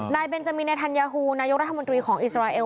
เบนจามินในธัญญาฮูนายกรัฐมนตรีของอิสราเอล